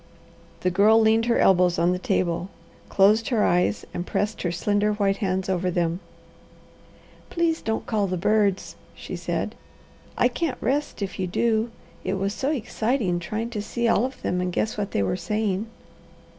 The Girl leaned her elbows on the table, closed her eyes, and pressed her slender white hands over them. "Please don't call the birds," she said. "I can't rest if you do. It was so exciting trying to see all of them and guess what they were saying."